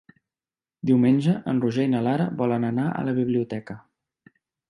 Diumenge en Roger i na Lara volen anar a la biblioteca.